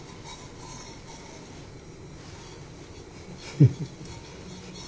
フフフッ。